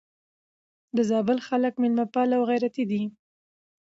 د زابل خلک مېلمه پال او غيرتي دي.